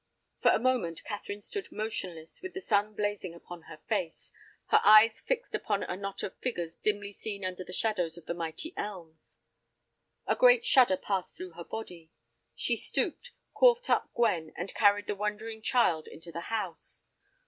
For a moment Catherine stood motionless with the sun blazing upon her face, her eyes fixed upon a knot of figures dimly seen under the shadows of the mighty elms. A great shudder passed through her body. She stooped, caught up Gwen, and carried the wondering child into the house.